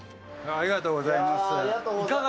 ありがとうございます。